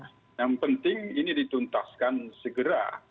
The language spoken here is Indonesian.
yang penting ini dituntaskan segera